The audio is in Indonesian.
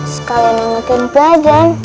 sekalian nengetin badan